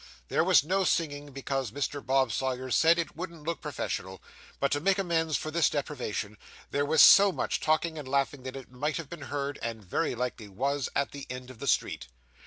There was no singing, because Mr. Bob Sawyer said it wouldn't look professional; but to make amends for this deprivation there was so much talking and laughing that it might have been heard, and very likely was, at the end of the street.